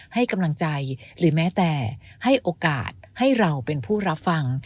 ให้กำลังใจหรือแม้แต่ให้โอกาสให้เราเป็นผู้รับฟัง